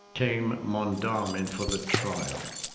Came Monda'min for the trial.